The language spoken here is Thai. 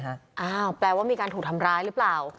อ้าวแปลว่ามีการถูกทำร้ายหรือเปล่า